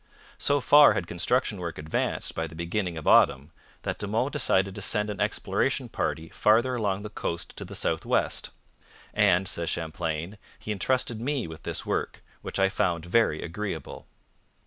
So far had construction work advanced by the beginning of autumn that De Monts decided to send an exploration party farther along the coast to the south west. 'And,' says Champlain, 'he entrusted me with this work, which I found very agreeable.'